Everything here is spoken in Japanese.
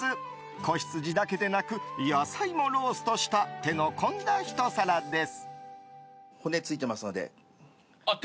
仔羊だけでなく野菜もローストした手の込んだひと皿です。